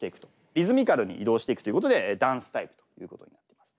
リズミカルに移動していくということでダンスタイプということになっています。